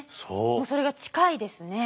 もうそれが近いですね。